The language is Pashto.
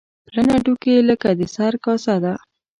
پلن هډوکي لکه د سر کاسه ده.